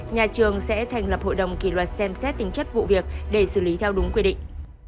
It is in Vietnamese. nhà trường sẽ thành lập hội đồng kỷ luật xem xét tính chất vụ việc để xử lý theo đúng quy định